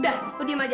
udah lo diem aja